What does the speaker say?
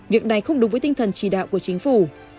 việc này không đúng với tinh thần chỉ đạo của chính phủ